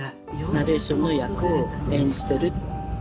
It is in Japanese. ナレーションの役を演じてる。